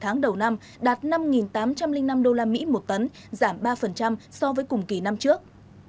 trong tháng bảy tháng đầu năm đạt năm tám trăm linh năm đô la mỹ một tấn giảm ba so với cùng kỳ năm trước